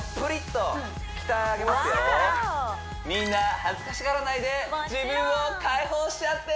みんな恥ずかしがらないで自分を解放しちゃって！